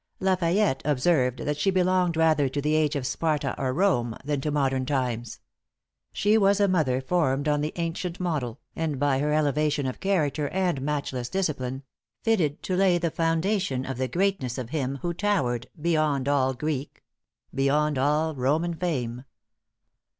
La Fayette observed that she belonged rather to the age of Sparta or Rome, than to modern times; she was a mother formed on the ancient model, and by her elevation of character and matchless discipline, fitted to lay the foundation of the greatness of him who towered "beyond all Greek beyond all Roman fame."